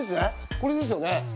これですよね？